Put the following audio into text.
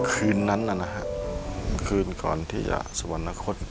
คืนนั้นน่ะนะคืนก่อนที่สมณ์ละคร